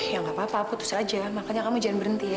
ya nggak apa apa putus aja makanya kamu jangan berhenti ya